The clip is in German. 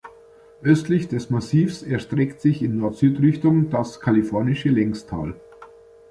Östlich des Massivs erstreckt sich in Nord-Süd-Richtung das Kalifornische Längstal.